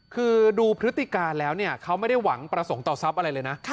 คือดูพฤติการแล้วเนี่ยเขาไม่ได้หวังประสงค์ต่อทรัพย์อะไรเลยนะ